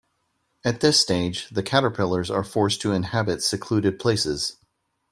At this stage, the caterpillars are forced to inhabit secluded places.